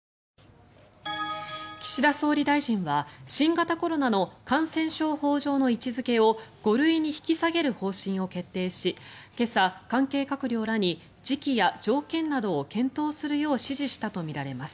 岸田総理大臣は新型コロナの感染症法の位置付けを５類に引き下げる方針を決定し今朝、関係閣僚らに時期や条件などを検討するよう指示したとみられます。